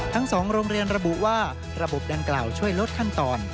ทั้ง๒โรงเรียนระบุว่าระบบดังกล่าวช่วยลดขั้นตอน